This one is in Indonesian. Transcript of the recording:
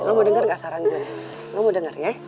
lo mau dengar gak saran gue nih lo mau dengar ya